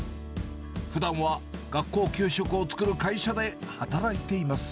ふだんは学校給食を作る会社で働いています。